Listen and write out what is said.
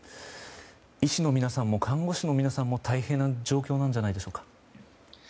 医師の皆さんも看護師の皆さんも大変な状況なんじゃないでしょうか。